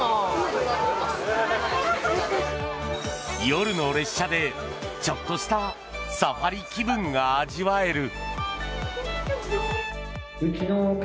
夜の列車でちょっとしたサファリ気分が味わえる。